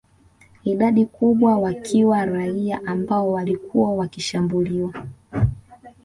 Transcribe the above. Idadi kubwa wakiwa raia ambao walikuwa wakishambuliwa